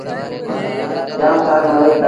جآم سآل مزوريٚ ڪيآݩدوݩ۔